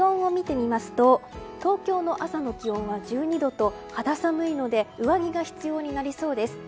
そして、気温を見てみますと東京の朝の気温は１２度と肌寒いので上着が必要になりそうです。